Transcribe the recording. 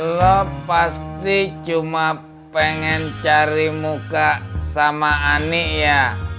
lo pasti cuma pengen cari muka sama ani ya